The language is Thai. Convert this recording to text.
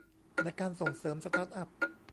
ในการส่งเสริมสตาร์ทอัพ